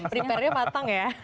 preparingnya patang ya